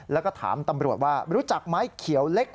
แล้วก็ถามตำรวจว่ารู้จักไหมเขียวเล็ก